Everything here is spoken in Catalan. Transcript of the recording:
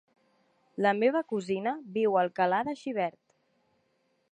La meva cosina viu a Alcalà de Xivert.